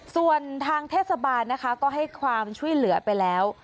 ส่วนทางเทศบาลนะคะก็ให้ความช่วยเหลือไปแล้ว